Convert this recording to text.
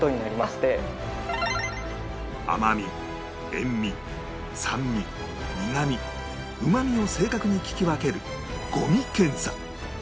甘味塩味酸味苦味うま味を正確に利き分ける五味検査